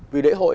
vì lễ hội